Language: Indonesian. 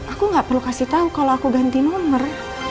aku gak perlu kasih tahu kalau aku ganti nomor